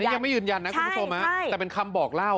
ยังไม่ยืนยันนะคุณผู้ชมแต่เป็นคำบอกเล่า